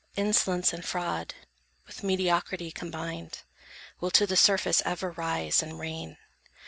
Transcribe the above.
Insolence And fraud, with mediocrity combined, Will to the surface ever rise, and reign.